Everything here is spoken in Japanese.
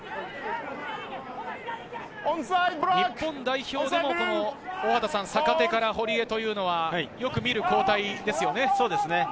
日本代表でも大畑さん、坂手から堀江というのはよく見る交代ですよね。